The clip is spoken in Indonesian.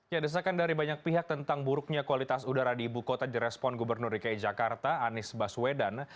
ya desakan dari banyak pihak tentang buruknya kualitas udara di ibu kota direspon gubernur dki jakarta anies baswedan